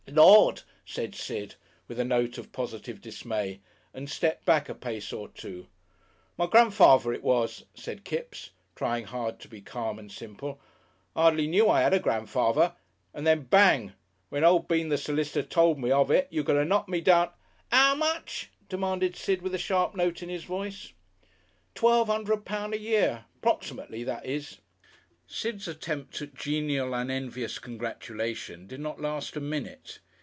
"Lord!" said Sid, with a note of positive dismay, and stepped back a pace or two. "My granfaver it was," said Kipps, trying hard to be calm and simple. "'Ardly knew I 'ad a granfaver. And then bang! When o' Bean, the solicitor, told me of it, you could 'ave knocked me down " "'Ow much?" demanded Sid, with a sharp note in his voice. "Twelve 'undred pound a year 'proximately, that is...." Sid's attempt at genial unenvious congratulation did not last a minute.